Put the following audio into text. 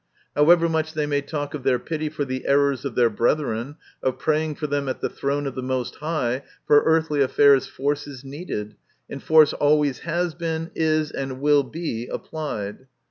However much they may talk of their pity for the errors of their brethren, of praying for them at the throne of the Most High, for earthly affairs force is needed, and force always has been, is, and will be, applied.